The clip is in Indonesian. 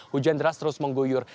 hujan deras terus mengguyur